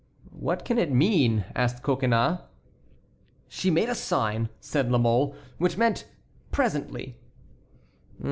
"What can it mean?" asked Coconnas. "She made a sign," said La Mole, "which meant 'presently.'"